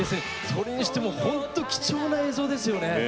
それにしてもほんと貴重な映像ですよね。